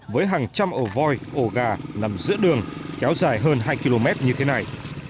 với hàng trăm ổ voi ổ gà nằm giữa đường kéo dài hơn hai km như thế này